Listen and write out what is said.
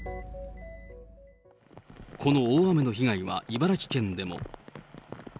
この大雨の被害は茨城県でも。